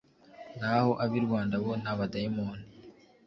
naho ab’i Rwanda bo ni abadayimoni